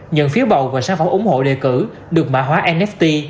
nhận phiếu bầu và sản phẩm ủng hộ đề cử được mã hóa nft